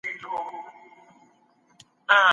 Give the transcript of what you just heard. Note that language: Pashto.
له طبیعي سرچینو څخه سمه ګټه اخیستل اړین دي.